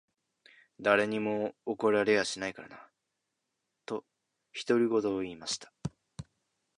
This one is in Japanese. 誰にも怒られやしないからな。」と、独り言を言いました。